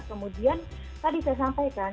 kemudian tadi saya sampaikan